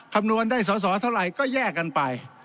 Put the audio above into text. คำนวณได้สอสอเท่าไหร่ก็แยกกันไป